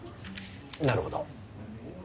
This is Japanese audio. なるほど。